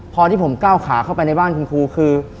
พอที่ผมก้าวขาเข้าไปในบ้านคุณครูคือ